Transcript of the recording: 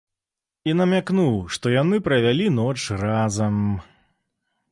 І намякнуў, што яны правялі ноч разам.